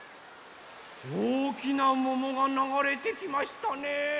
おおきなももがながれてきましたね。